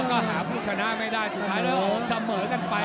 แล้วก็หาผู้ชนะไม่ได้เหลือสมึงด้วย